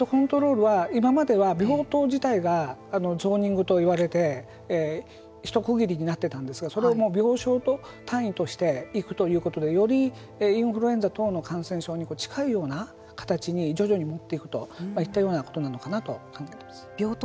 今まではベッドコントロールは病棟自体がゾーニングと言われて一区切りになってたんですがそれを病床単位としていくということでよりインフルエンザ等の感染症に近いような形に徐々に持っていくといったようなことなのかなと考えます。